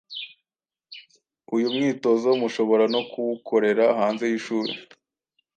Uyu mwitozo mushobora no kuwukorera hanze y’ishuri,